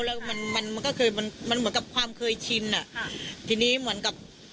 แล้วมันเหมือนกับความเคยชินทีนี้เหมือนกับ